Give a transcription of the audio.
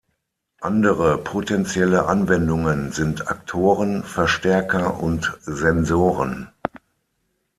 Andere potentielle Anwendungen sind Aktoren, Verstärker und Sensoren.